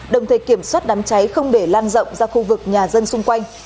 đồng thời kiểm soát đám cháy không để lan rộng ra khu vực nhà dân xung quanh